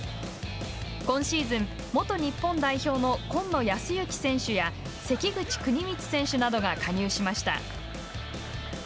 今シーズン、元日本代表の今野泰幸や関口訓充選手などが加入しました。